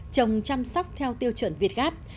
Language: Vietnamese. trồng chăm sóc theo tiêu chuẩn việt gáp